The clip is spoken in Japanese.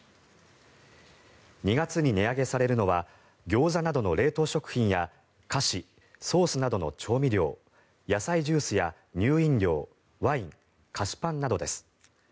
２月に値上げされるのはギョーザなどの冷凍食品や菓子、ソースなどの調味料野菜ジュースや乳飲料、ワイン菓子パンなどです。